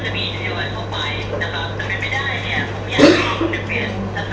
แล้วคุณอยู่ที่ไหนครับอยู่ที่คุณแม็กซ์คุณสื้อสินค้า